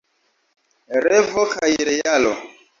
Revo kaj realo.